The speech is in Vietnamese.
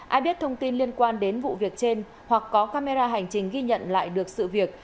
ai biết thông tin liên quan đến vụ việc trên hoặc có camera hành trình ghi nhận lại được sự việc